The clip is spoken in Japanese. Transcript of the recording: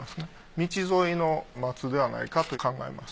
道沿いの松ではないかって考えます。